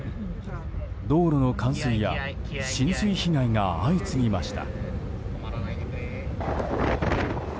道路の冠水が浸水被害が相次ぎました。